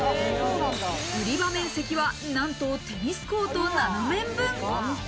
売り場面積はなんとテニスコート７面分。